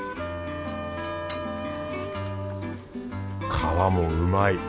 皮もうまい！